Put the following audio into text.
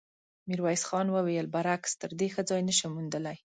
ميرويس خان وويل: برعکس، تر دې ښه ځای نه شم موندلی.